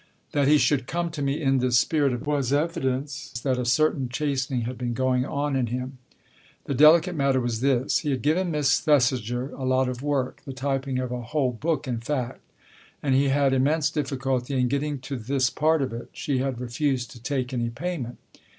That he should come to me in this spirit was evidence that a certain chastening had been going on in him. The delicate matter was this. He had given Miss Thesiger a lot of work, the typing of a whole book, in fact. And he had immense difficulty in getting to this part of it she had refused to take any payment.